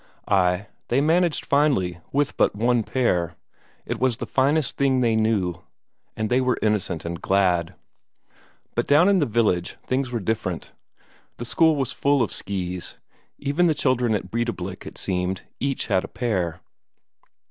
Ay, they managed finely with but one pair, it was the finest thing they knew, and they were innocent and glad. But down in the village things were different. The school was full of ski; even the children at Breidablik, it seemed, had each a pair.